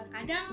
kadang ya enggak